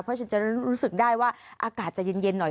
เพราะฉันจะรู้สึกได้ว่าอากาศจะเย็นหน่อย